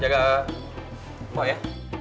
jangan jaga pok ya